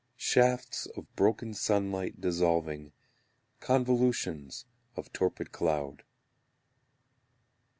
Shafts of broken sunlight dissolving Convolutions of torpid cloud.